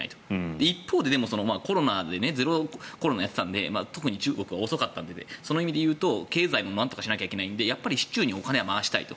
でも一方でコロナでゼロコロナをやっていたので特に中国は遅かったのでその意味で言うと経済もなんとかしないといけないので支柱にお金は回したいと。